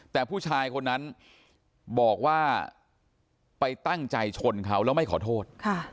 แต่ผู้ชายคนนั้นบอกว่าไปตั้งใจชนเขาแล้วไม่ขอโทษ